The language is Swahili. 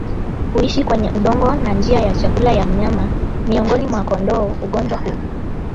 huishi kwenye udongo na njia ya chakula ya mnyama Miongoni mwa kondoo ugonjwa huu